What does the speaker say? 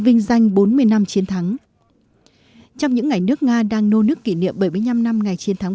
vinh danh bốn mươi năm chiến thắng trong những ngày nước nga đang nô nước kỷ niệm bảy mươi năm năm ngày chiến thắng